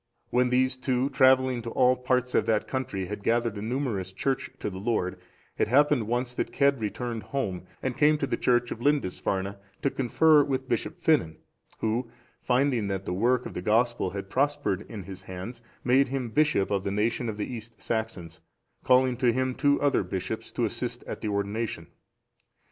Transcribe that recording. When these two, travelling to all parts of that country, had gathered a numerous Church to the Lord, it happened once that Cedd returned home, and came to the church of Lindisfarne to confer with Bishop Finan; who, finding that the work of the Gospel had prospered in his hands, made him bishop of the nation of the East Saxons, calling to him two other bishops(417) to assist at the ordination.